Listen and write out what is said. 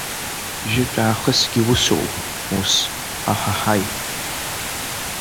Жәытәаахысгьы усоуп, ус, аҳаҳаи!